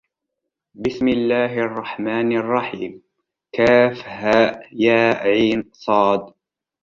بِسْمِ اللَّهِ الرَّحْمَنِ الرَّحِيمِ كهيعص